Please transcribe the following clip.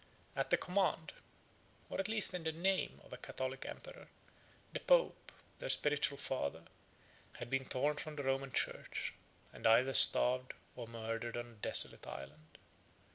At the command, or at least in the name, of a Catholic emperor, the pope, 7 their spiritual father, had been torn from the Roman church, and either starved or murdered on a desolate island.